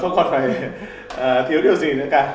không còn phải thiếu điều gì nữa cả